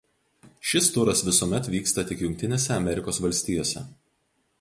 Šis turas visuomet vyksta tik Jungtinėse Amerikos Valstijose.